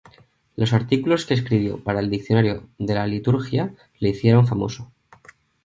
Los artículos que escribió para el Diccionario de la liturgia le hicieron famoso.